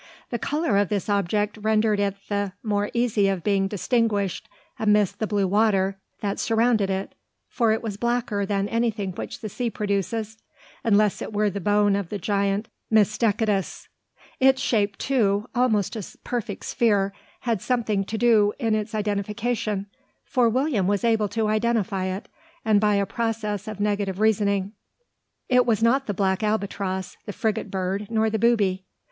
The colour of this object rendered it the more easy of being distinguished amidst the blue water that surrounded it; for it was blacker than anything which the sea produces, unless it were the bone of the giant Mysticetus. Its shape, too almost a perfect sphere had something to do in its identification: for William was able to identify it, and by a process of negative reasoning. It was not the black albatross, the frigate bird, nor the booby.